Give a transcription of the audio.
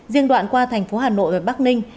riêng đoạn qua thành phố hà nội và bắc ninh